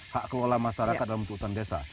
hak kelola masyarakat dalam bentuk hutan desa